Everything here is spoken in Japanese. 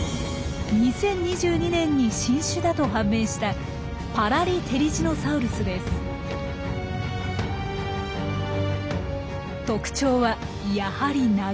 ２０２２年に新種だと判明した特徴はやはり長いツメ。